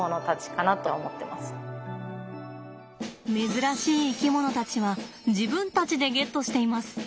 珍しい生き物たちは自分たちでゲットしています。